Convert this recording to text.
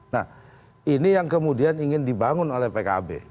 nah ini yang kemudian ingin dibangun oleh pkb